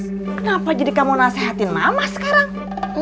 kenapa jadi kamu nasehatin mama sekarang